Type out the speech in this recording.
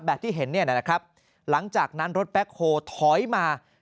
ที่เห็นเนี่ยนะครับหลังจากนั้นรถแบ็คโฮถอยมา